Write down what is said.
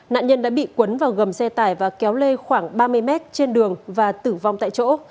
nạn nhân đã bị cuốn vào gầm xe tải và kéo lê khoảng ba mươi mét trên đường và tử vong tại chỗ